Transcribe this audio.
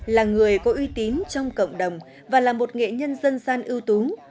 là người có uy tín trong cộng đồng và là một nghệ nhân dân gian ưu tú